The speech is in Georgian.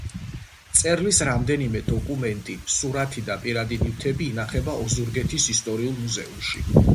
მწერლის რამდენიმე დოკუმენტი, სურათი და პირადი ნივთი ინახება ოზურგეთის ისტორიულ მუზეუმში.